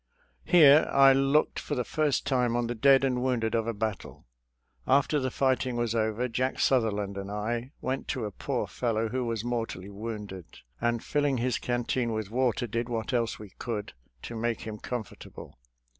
Here I looked for the first time on the dead and wounded of a battle. After the fighting was over. Jack Sutherland and I went to a poor fellow who was mortally wounded, and filling his can teen with water did what else we could to make him comfortable.